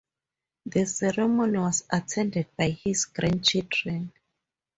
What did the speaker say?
The ceremony was attended by his grandchildren.